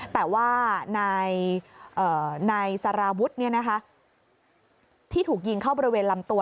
แต่ว่านายสารวุฒิที่ถูกยิงเข้าบริเวณลำตัว